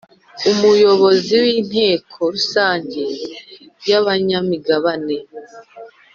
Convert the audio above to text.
Umuyobozi w inteko rusange y abanyamigabane